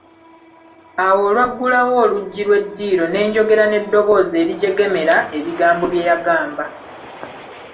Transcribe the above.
Awo olwaggulawo oluggi lw'eddiro ne njogera n'eddoboozi erijegemera ebigambo bye yangamba.